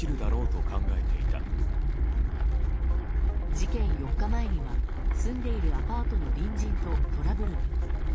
事件４日前には、住んでいるアパートの隣人とトラブルに。